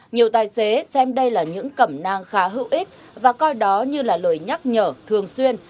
nhiều tài xế xem đây là những cẩm nang khá hữu ích và coi đó như là lời nhắc nhở thường xuyên